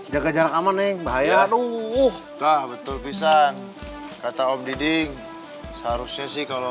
jaga jarak aman nih bahaya uh betul pisang kata om diding seharusnya sih kalau